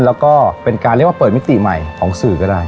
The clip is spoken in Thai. แล้วก็เป็นการเรียกว่าเปิดมิติใหม่ของสื่อก็ได้